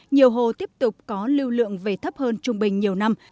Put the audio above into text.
nhiều hồ tiếp tục có lưu lượng về thấp hơn trung bình nhiều năm